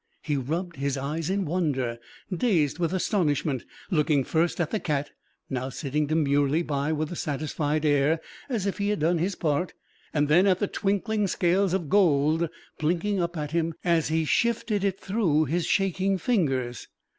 He rubbed his eyes in wonder, dazed with astonishment, looking first at the cat now sitting demurely by with a satisfied air, as if he had done his part and then at the twinkling scales of gold blinking up at him as he shifted it through his shaking fingers.